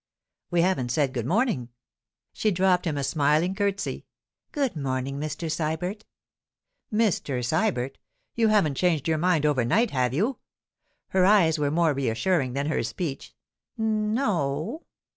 'We haven't said good morning.' She dropped him a smiling curtsy. 'Good morning, Mr. Sybert.' 'Mr. Sybert! You haven't changed your mind overnight, have you?' Her eyes were more reassuring than her speech. 'N no.